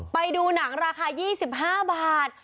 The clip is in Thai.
ไปดูหนังราคา๒๕บาท